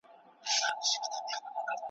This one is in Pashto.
لا تر څو به دا سړې دا اوږدې شپې وي `